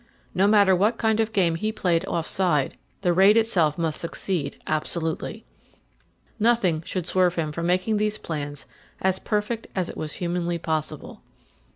No matter what kind of game he played offside, the raid itself must succeed absolutely. Nothing should swerve him from making these plans as perfect as it was humanly possible.